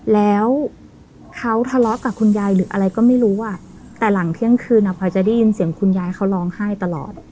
แล้วเขาทะเลาะกับคุณยายหรืออะไรก็ไม่รู้อ่ะแต่หลังเที่ยงคืนอ่ะพลอยจะได้ยินเสียงคุณยายเขาร้องไห้ตลอด